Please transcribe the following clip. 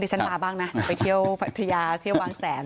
ฉันมาบ้างนะไปเที่ยวพัทยาเที่ยวบางแสน